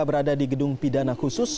berada di gedung pidana khusus